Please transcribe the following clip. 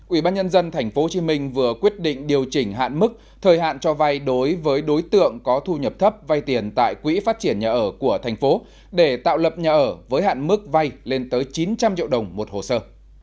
ủy ban nhân dân tp hcm vừa quyết định điều chỉnh hạn mức thời hạn cho vay đối với đối tượng có thu nhập thấp vay tiền tại quỹ phát triển nhà ở của thành phố để tạo lập nhà ở với hạn mức vay lên tới chín trăm linh triệu đồng một hồ sơ